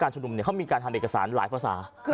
ชุมนุมเขามีการทำเอกสารหลายภาษา